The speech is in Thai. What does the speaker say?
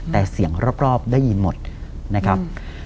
แต่เสียงรอบได้ยินหมดนะครับ